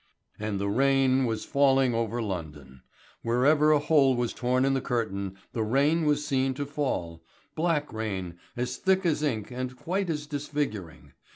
And the rain was falling over London. Wherever a hole was torn in the curtain, the rain was seen to fall black rain as thick as ink and quite as disfiguring.